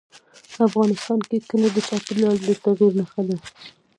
افغانستان کې کلي د چاپېریال د تغیر نښه ده.